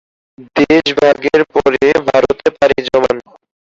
দেশ ভাগ এর পরে ভারতে পাড়ি জমান।